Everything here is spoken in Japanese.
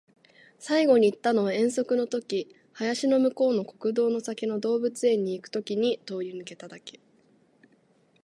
最後に行ったのは遠足の時、林の向こうの国道の先の動物園に行く時に通り抜けただけ